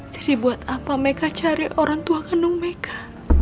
jadi buat apa mereka cari orang tua kandung mereka